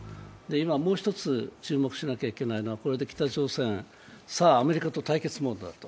もう一つ注目しなきゃいけないのは北朝鮮、アメリカと対決モードだと。